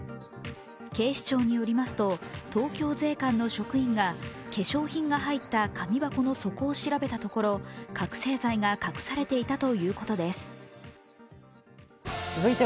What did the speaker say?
警視庁によりますと、東京税関の職員が化粧品が入った紙箱の底を調べたところ覚醒剤が隠されていたということです。